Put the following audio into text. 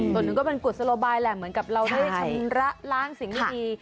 ส่วนหนึ่งก็เป็นกุศโลบายแหละเหมือนกับเราได้ชำระล้างสิ่งไม่ดี